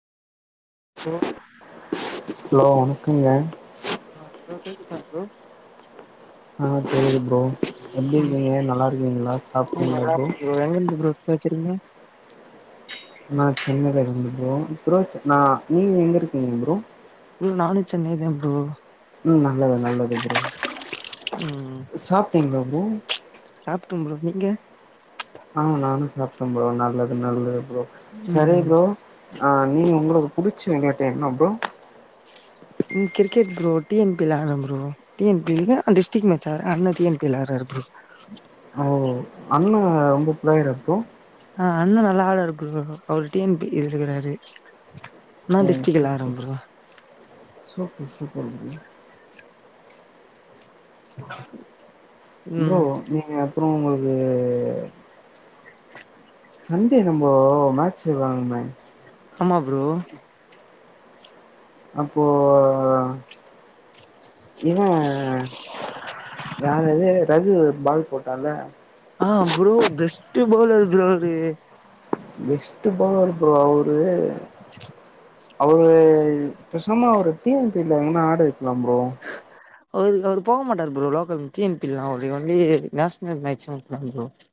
bro hello வணக்கங்க ஆ bro கேட்டுச்ச ப்ரோ ஆ தெரியுது ப்ரோ எப்டி இருக்கீங்க நல்லா இருக்கீங்களா சாப்பிட்டீங்களா ப்ரோ எங்கர்ந்து ப்ரோ போ சொல்லுங்க நா சென்னைல இருந்து ப்ரோ ப்ரோ நா நீங்க எங்க இருக்கீங்க ப்ரோ இல்ல நானு சென்னை தான் ப்ரோ ம் நல்லது நல்லது ப்ரோ சாப்ட்டீங்களா ப்ரோ சாப்டேன் ப்ரோ நீங்க ஆ நானு சாப்ட்டேன் ப்ரோ நல்லது நல்லது ப்ரோ சரி ம் ப்ரோ ஆ நீங்க உங்களுக்கு புடிச்ச வெளையாட்டு என்ன ப்ரோ [inaudible] ம் cricket bro T N P ல ஆடுன்ன ப்ரோ டி என் பி லயே டிஸ்டிக் மேட்ச்சாடுர அண்ணன் டி என் பி ல ஆடுறாரு ப்ரோ அண்ண ரொம்ப பிளேயரா ப்ரோ ஆ அண்ண நல்லா ஆடுவாரு ப்ரோ அவரு டி என் பி இதுல இருக்குறாரு நா டிஸ்க்டிக்ல ஆடுறன் ப்ரோ சூப்பு சூப்பர் ப்ரோ [inaudible] ப்ரோ ம் நீங்க அப்றோ இது சண்டே நம்போ மேட்ச்சு வெளானோமே ஆமா ப்ரோ அப்போ இவ யாரது ரகு பால் போட் டால ஆ ப்ரோ பெஸ்ட் பவுல் அது ப்ரோ அது பெஷ்ட்டு பவுலரு ப்ரோ அவரு அவரு பெசமா ஒரு டி என் பில எங்கன்னா ஆடு வைக்கலா ப்ரோ அவரு அவர் போக மாட்டாாரு bro local T N P ல்லா அவரு வந்து நேஷனல் மேட்ஜ்தா புடிக்கு ப்ரோ